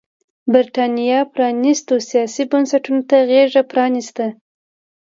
برېټانیا پرانيستو سیاسي بنسټونو ته غېږ پرانېسته.